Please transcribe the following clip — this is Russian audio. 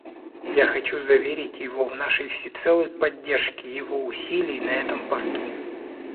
Я хочу заверить его в нашей всецелой поддержке его усилий на этом посту.